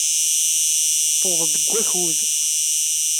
Tewweḍ-d deg wakud.